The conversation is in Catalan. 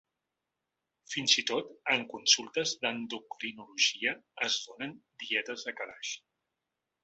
Fins i tot en consultes d’endocrinologia es donen «dietes de calaix».